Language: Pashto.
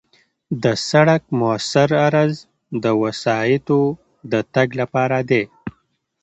د سړک موثر عرض د وسایطو د تګ لپاره دی